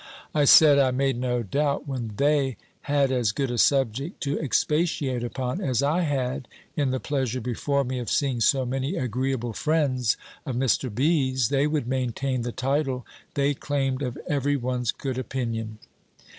I said, I made no doubt, when they had as good a subject to expatiate upon, as I had, in the pleasure before me, of seeing so many agreeable friends of Mr. B.'s, they would maintain the title they claimed of every one's good opinion.